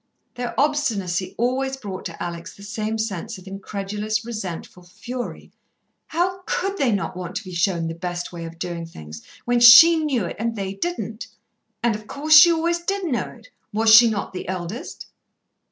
Their obstinacy always brought to Alex the same sense of incredulous, resentful fury. How could they not want to be shown the best way of doing things, when she knew it and they didn't? And, of course, she always did know it. Was she not the eldest?